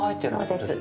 そうです。